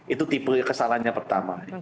itu tipe kesalahannya pertama